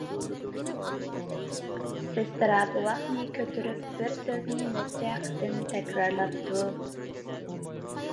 سېسترا بوۋاقنى كۆتۈرۈپ بىر سۆزنى نەچچە قېتىم تەكرارلاپتۇ.